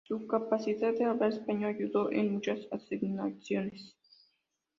Su capacidad de hablar español ayudó en muchas asignaciones.